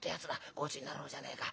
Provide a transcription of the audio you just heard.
ごちになろうじゃねえか。